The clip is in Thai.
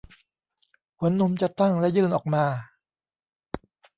หัวนมจะตั้งและยื่นออกมา